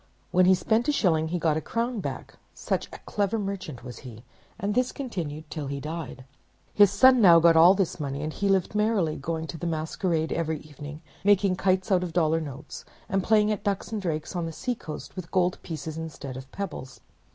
When he spent a shilling he got back a crown, such a clever merchant was he; and this continued till he died. His son now got all this money; and he lived merrily, going to the masquerade every evening, making kites out of dollar notes, and playing at ducks and drakes on the seacoast with gold pieces instead of pebbles.